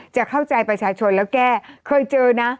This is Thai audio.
จะเข้าใจประชาชนแล้วแก้เคยเจอนะ